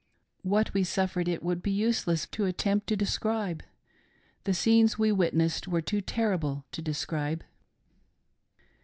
What we suffered it would be useless for me to attempt to describe. The Scenes we witnessed were too terrible to describe.